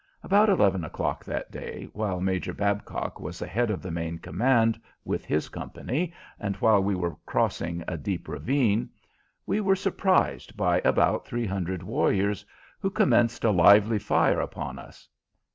About eleven o'clock that day, while Major Babcock was ahead of the main command with his company, and while we were crossing a deep ravine, we were surprised by about three hundred warriors, who commenced a lively fire upon us.